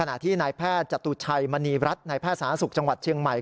นายแพทย์จตุชัยมณีรัฐในแพทย์สาธารณสุขจังหวัดเชียงใหม่